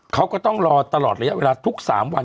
เขาก็ต้องรอตลอดระยะเวลาทุก๓วัน